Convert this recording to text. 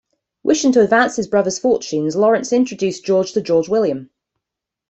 Wishing to advance his brother's fortunes, Lawrence introduced George to George William.